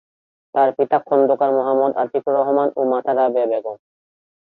তার পিতা খন্দকার মোহাম্মদ আতিকুর রহমান ও মাতা রাবেয়া বেগম।